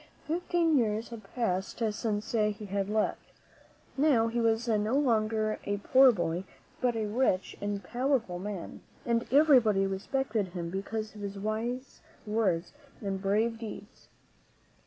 Fifteen years had passed since he had left. Now he was no longer a poor boy, but a rich and powerful man, and everybody respected him because of his wise words and brave deeds.